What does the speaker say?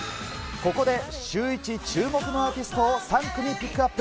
ここでシューイチ注目のアーティストを３組ピックアップ。